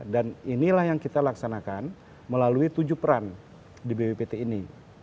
dan inilah yang kita laksanakan melalui tujuh peran di bppt ini